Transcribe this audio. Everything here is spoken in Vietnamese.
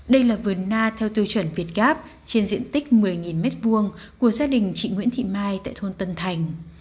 đây là vườn na theo tiêu chuẩn việt gáp trên diện tích một mươi m hai của gia đình chị nguyễn thị mai tại thôn tân thành